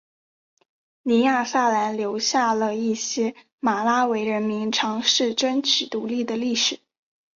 尼亚萨兰留下了一些马拉维人民尝试争取独立的历史。